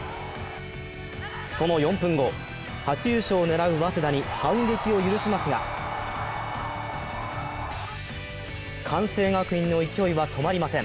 その４分後、初優勝を狙う早稲田に反撃を許しますが、関西学院の勢いは止まりません。